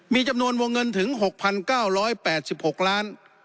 มีจำนวนวงเงินถึง๖๙๘๖ล้าน